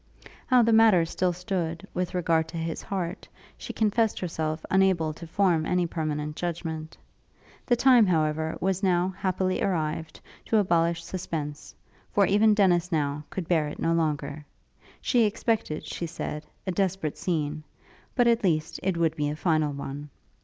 How the matter still stood, with regard to his heart, she confessed herself unable to form any permanent judgment. The time, however, was now, happily, arrived, to abolish suspense, for even Dennis, now, could bear it no longer. She expected, she said, a desperate scene, but, at least, it would be a final one.